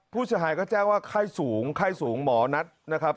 ผู้ชายก็แจ้งว่าไข้สูงไข้สูงหมอนัดนะครับ